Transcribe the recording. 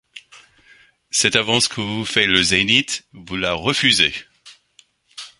Cette avance que vous fait le zénith, vous la refusez.